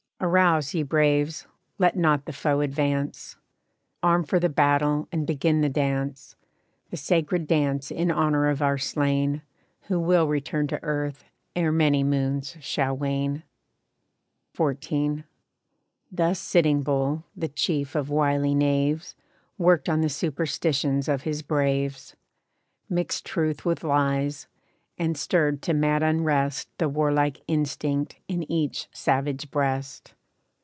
Arouse, ye braves! let not the foe advance. Arm for the battle and begin the dance The sacred dance in honor of our slain, Who will return to earth, ere many moons shall wane." XIV. Thus Sitting Bull, the chief of wily knaves, Worked on the superstitions of his braves. Mixed truth with lies; and stirred to mad unrest The warlike instinct in each savage breast.